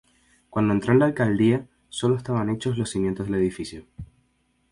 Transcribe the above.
Cuando entró en la alcaldía, sólo estaban hechos los cimientos del edificio.